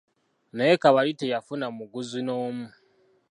Naye Kabali teyafuna muguzi n'omu.